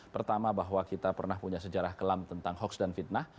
pertama bahwa kita pernah punya sejarah kelam tentang hoax dan fitnah